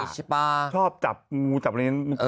ชอบจับงูจับอะไรอย่างนี้